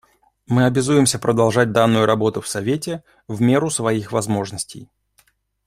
Мы обязуемся продолжать данную работу в Совете в меру своих возможностей.